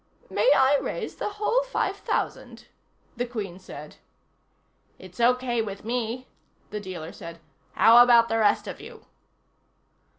"May I raise the whole five thousand?" the Queen said. "It's okay with me," the dealer said. "How about the rest of you?"